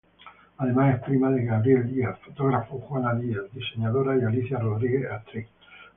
Además, es prima de Gabriel Díaz, fotógrafo, Juana Díaz, diseñadora, y Alicia Rodríguez, actriz.